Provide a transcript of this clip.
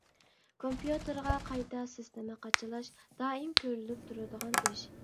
كومپيۇتېرغا قايتا سىستېما قاچىلاش دائىم كۆرۈلۈپ تۇرىدىغان ئىش.